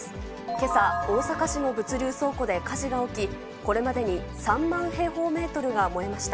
けさ、大阪市の物流倉庫で火事が起き、これまでに３万平方メートルが燃えました。